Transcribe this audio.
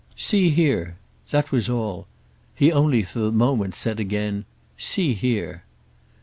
"See here"—that was all; he only for the moment said again "See here."